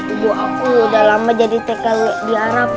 ibu aku udah lama jadi tkw di arab